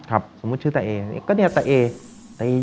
ก็ตานี้